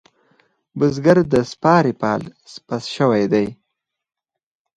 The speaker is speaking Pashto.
بزگر د سپارې پال پس شوی دی.